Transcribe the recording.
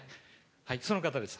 その方です。